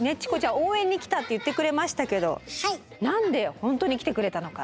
応援に来たって言ってくれましたけど何で本当に来てくれたのか？